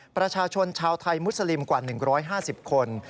ประชาชนชาวไทยมุสลิมกว่า๑๕๐คน